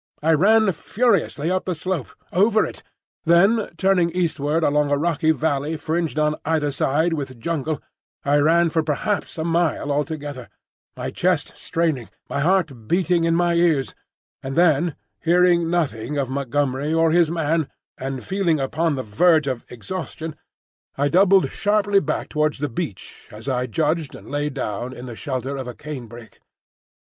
I ran furiously up the slope, over it, then turning eastward along a rocky valley fringed on either side with jungle I ran for perhaps a mile altogether, my chest straining, my heart beating in my ears; and then hearing nothing of Montgomery or his man, and feeling upon the verge of exhaustion, I doubled sharply back towards the beach as I judged, and lay down in the shelter of a canebrake.